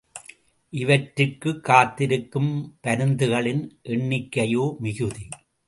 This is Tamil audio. இவற்றிற்குக் காத்திருக்கும் பருந்துகளின் எண்ணிக்கையோ மிகுதி.